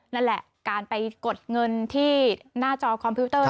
นั่นแหละการไปกดเงินที่หน้าจอคอมพิวเตอร์